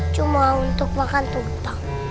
cuma untuk makan tumpeng